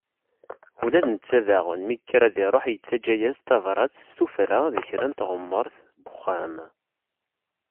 Ula d netta daɣen, mi yekker ad iruḥ, yettaǧǧa-yas-d tabrat s tuffra di kra n teɣmert n uxxam.